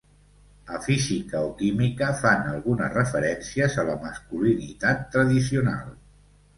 A Física o Química fan algunes referències a la masculinitat tradicional.